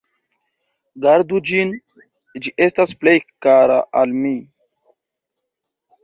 Gardu ĝin, ĝi estas plej kara al mi!